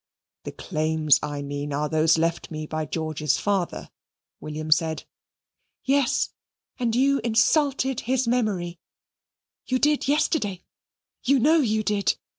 "The claims I mean are those left me by George's father," William said. "Yes, and you insulted his memory. You did yesterday. You know you did.